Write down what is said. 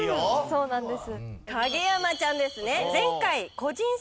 そうなんです。